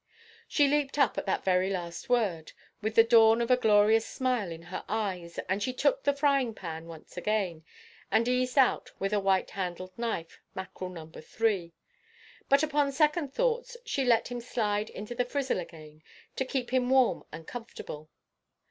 She leaped up at that very word, with the dawn of a glorious smile in her eyes, and she took the frying–pan once again, and eased out, with a white–handled knife, mackerel No. 3. But, upon second thoughts, she let him slide into the frizzle again, to keep him warm and comfortable.